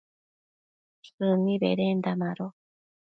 shëni bedenda mado